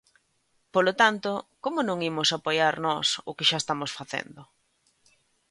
Polo tanto, ¿como non imos apoiar nós o que xa estamos facendo?